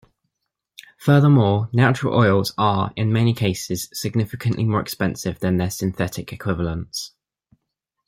Furthermore, natural oils are in many cases significantly more expensive than their synthetic equivalents.